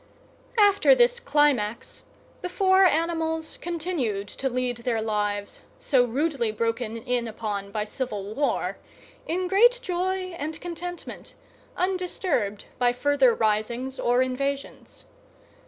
After this climax, the four animals continued to lead their lives, so rudely broken in upon by civil war, in great joy and contentment, undisturbed by further risings or invasions.